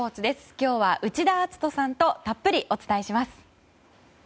今日は内田篤人さんとたっぷりお伝えします。